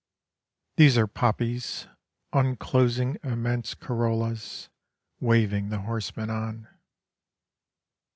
These are poppies, Unclosing immense corollas, Waving the horsemen on.